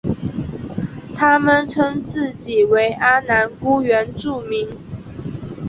他们称自己为阿男姑原住民。